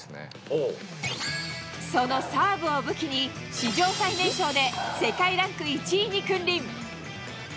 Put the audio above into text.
そのサーブを武器に、史上最年少で世界ランク１位に君臨。